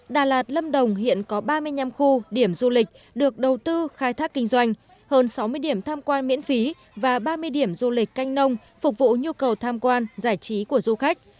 đà lạt lâm đồng hiện có ba mươi năm khu điểm du lịch được đầu tư khai thác kinh doanh hơn sáu mươi điểm tham quan miễn phí và ba mươi điểm du lịch canh nông phục vụ nhu cầu tham quan giải trí của du khách